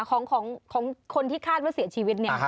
ของคนที่คาดว่าเสียชีวิตเนี่ย